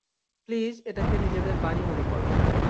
Please, এটাকে নিজেদের বাড়ি মনে করো।